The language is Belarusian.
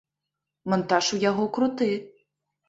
Мантаж у яго круты!